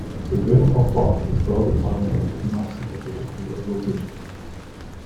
The rim of Bok is well-defined and is not significantly eroded.